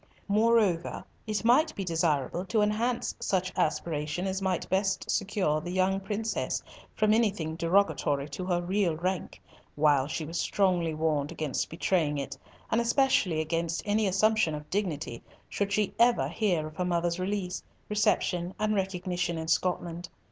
Moreover, it might be desirable to enhance such aspiration as might best secure the young princess from anything derogatory to her real rank, while she was strongly warned against betraying it, and especially against any assumption of dignity should she ever hear of her mother's release, reception, and recognition in Scotland.